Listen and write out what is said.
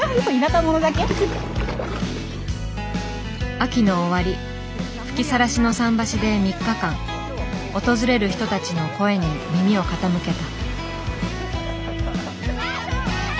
秋の終わり吹きさらしの桟橋で３日間訪れる人たちの声に耳を傾けた。